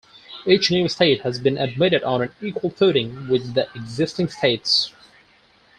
Each new state has been admitted on an equal footing with the existing states.